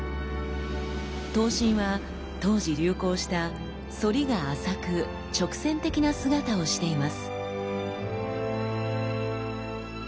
刀身は当時流行した反りが浅く直線的な姿をしています。